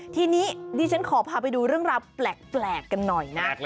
ทีนี้ดิฉันขอพาไปดูเรื่องราวแปลกกันหน่อยนะ